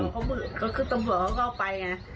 ก็คือตำหวังเขาก็ไปไง